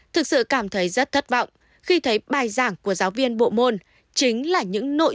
thực sự cảm thấy rất thất vọng khi thấy bài giảng của giáo viên bộ môn